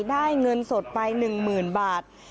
ได้เงินสดไป๑๐๐๐บาท